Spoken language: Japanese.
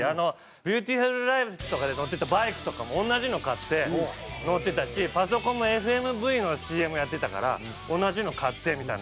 『ＢｅａｕｔｉｆｕｌＬｉｆｅ』とかで乗ってたバイクとかも同じのを買って乗ってたしパソコンもＦＭＶのＣＭやってたから同じのを買ってみたいな。